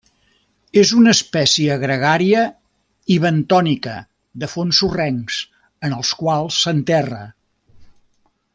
És una espècie gregària i bentònica de fons sorrencs, en els quals s'enterra.